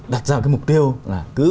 đặt ra cái mục tiêu là cứ